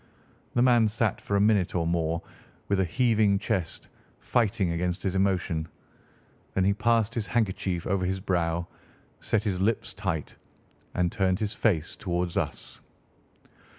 The man sat for a minute or more with a heaving chest, fighting against his emotion. Then he passed his handkerchief over his brow, set his lips tight, and turned his face towards us.